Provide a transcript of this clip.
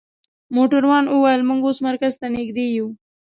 موټروان وویل: موږ اوس مرکز ته نژدې یو.